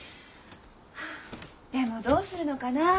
でもどうするのかなあ？